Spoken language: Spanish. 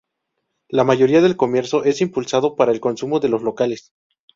La mayoría del comercio es impulsado para el consumo de los locales.